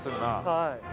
はい。